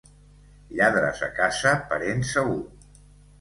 Lladres a casa, parent segur.